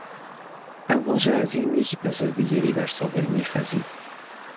امواج عظیم یکی پس از دیگری بر ساحل میخزید.